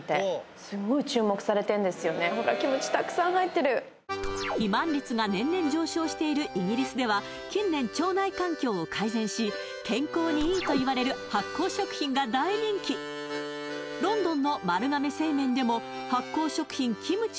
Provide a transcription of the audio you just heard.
たくさん入ってるしているイギリスでは近年腸内環境を改善し健康にいいといわれる発酵食品が大人気ロンドンの丸亀製麺でも発酵食品キムチを生かした